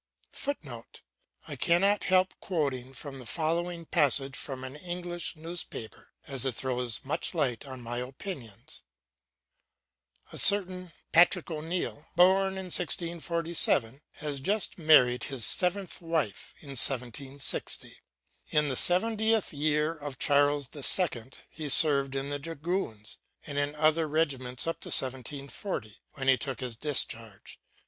[Footnote: I cannot help quoting the following passage from an English newspaper, as it throws much light on my opinions: "A certain Patrick O'Neil, born in 1647, has just married his seventh wife in 1760. In the seventeenth year of Charles II. he served in the dragoons and in other regiments up to 1740, when he took his discharge.